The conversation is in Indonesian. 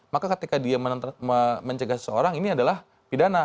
maka ketika dia mencegah seseorang ini adalah pidana